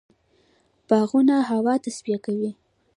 باغونه هوا تصفیه کوي.